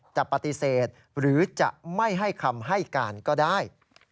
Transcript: จะปฏิเสธหรือจะไม่ให้คำให้การก็ได้